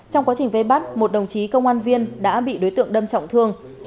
trong quá trình vây bắt một đồng chí công an viên đã bị đối tượng đâm trọng thương